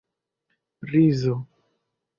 rizo